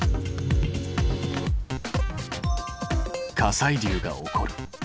火砕流が起こる。